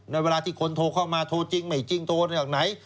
เวลาที่คนโทรเข้ามาโทรจริงไม่จริงโทรเรื่องไหน